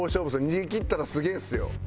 逃げきったらすげえっすよ。